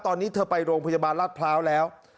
ตอนนี้เธอไปโรงพยาบาลราชพร้าวแล้ว